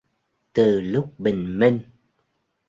Từ lúc bình minh